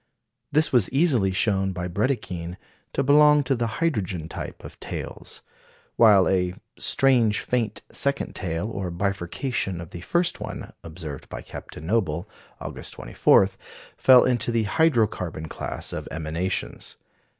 This was easily shown by Brédikhine to belong to the hydrogen type of tails; while a "strange, faint second tail, or bifurcation of the first one," observed by Captain Noble, August 24, fell into the hydro carbon class of emanations.